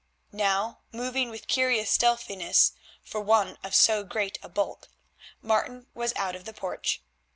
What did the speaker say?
Now, moving with curious stealthiness for one of so great a bulk, Martin was out of the porch.